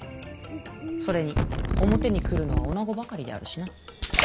それに表に来るのは女ばかりであるしな。